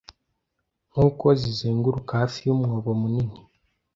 nkuko zizenguruka hafi yumwobo munini